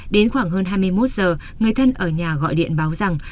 đến khoảng hơn hai mươi một giờ người thân ở nhà gọi điện báo rằng